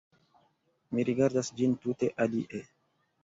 Mi rigardas ĝin tute alie.